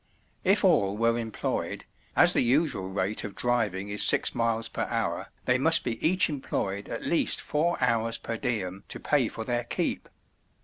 If all were employed, as the usual rate of driving is six miles per hour, they must be each employed at least four hours per diem to pay for their keep.